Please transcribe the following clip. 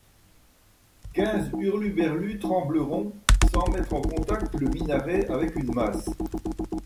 Quinze hurluberlues trembleront sans mettre en contact le minaret avec une masse.